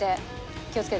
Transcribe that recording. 気をつけてね。